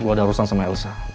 gue ada urusan sama elsa